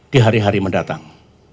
di hari hari mendatang